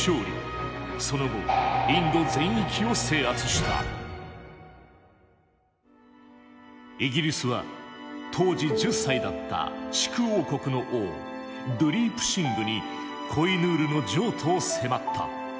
その後イギリスは当時１０歳だったシク王国の王ドゥリープ・シングにコ・イ・ヌールの譲渡を迫った。